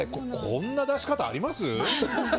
こんな出し方、あります？